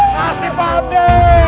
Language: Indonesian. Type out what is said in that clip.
kasih pak amdi